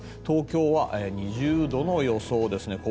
東京は２０度の予想ですね。